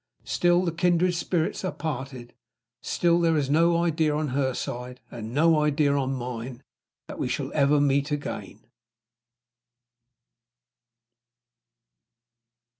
Still the kindred spirits are parted. Still there is no idea on her side, and no idea on mine, that we shall ever meet again.